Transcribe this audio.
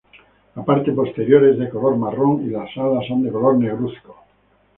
La parte posterior es de color marrón y las alas son de color negruzco.